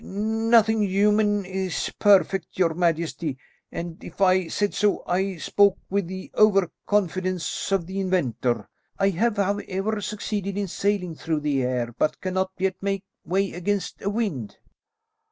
"Nothing human is perfect, your majesty, and if I said so I spoke with the over confidence of the inventor. I have, however, succeeded in sailing through the air, but cannot yet make way against a wind."